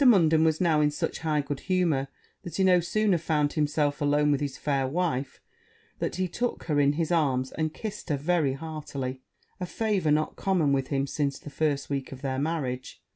Munden was now in such high good humour, that he no sooner found himself alone with his fair wife, than he took her in his arms, and kissed her very heartily a favour not common with him since the first week of their marriage.